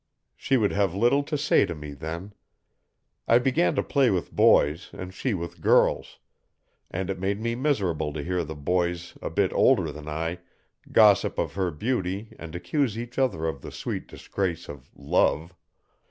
She would have little to say to me then. I began to play with boys and she with girls. And it made me miserable to hear the boys a bit older than I gossip of her beauty and accuse each other of the sweet disgrace of love.